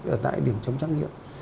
ở tại điểm chấm trắc nghiệm